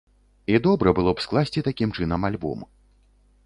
І добра было б скласці такім чынам альбом.